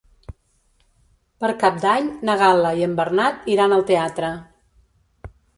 Per Cap d'Any na Gal·la i en Bernat iran al teatre.